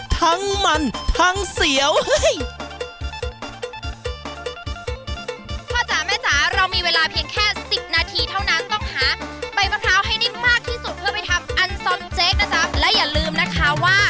มันมันทางเสียว